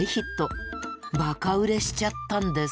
バカ売れしちゃったんです。